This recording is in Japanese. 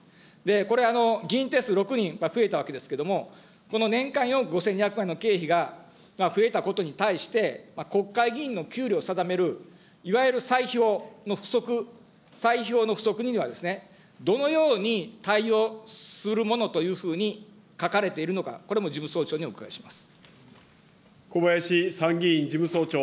これ、議員定数６人増えたわけですけれども、この年間４億５２００万円の経費が増えたことに対して、国会議員の給料を定める、いわゆる歳費法の付則、歳費法の付則にはですね、どのように対応するものというふうに書かれているのか、これも事務総長にお伺いします。